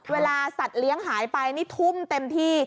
เวลาสัตว์เลี้ยงหายไปนี่ทุ่มเต็มที่